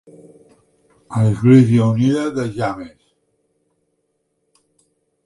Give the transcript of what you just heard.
Església Unida de James.